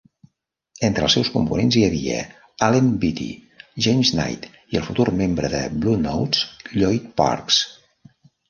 Entre els seus components hi havia Allen Beatty, James Knight i el futur membre de Blue Notes, Lloyd Parks.